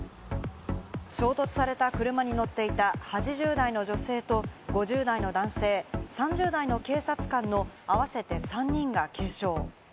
衝突された車に乗っていた８０代の女性と５０代の男性、３０代の警察官の合わせて３人が軽傷。